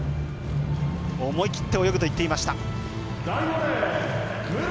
思い切って泳ぐと言っていました。